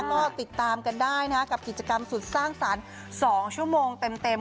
ก็ติดตามกันได้นะกับกิจกรรมสุดสร้างสรรค์๒ชั่วโมงเต็ม